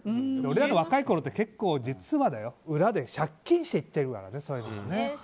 俺らの若いころって結構、実は裏で借金して行ってるからね。